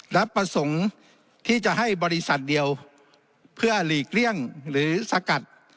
และประสงค์ที่จะให้บริษัทเดียวเพื่อหลีกเลี่ยงหรือสกัด